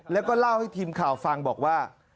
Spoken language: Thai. แล้วก็เล่าให้ทีมข่าวฟังบอกว่า